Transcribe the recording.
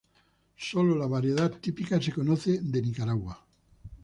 Sólo la variedad típica se conoce de Nicaragua.